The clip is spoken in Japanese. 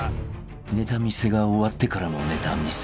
［ネタ見せが終わってからもネタ見せ］